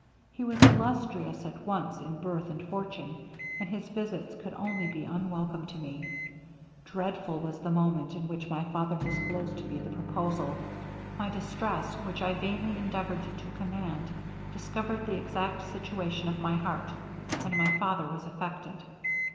He was illustrious at once in birth and fortune, and his visits could only be unwelcome to me. Dreadful was the moment in which my father disclosed to me the proposal. My distress, which I vainly endeavoured to command, discovered the exact situation of my heart, and my father was affected.